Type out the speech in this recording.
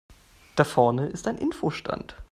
Da vorne ist ein Info-Stand.